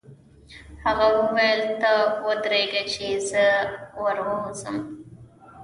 هغه وویل: ته ودرېږه چې زه ور ووځم.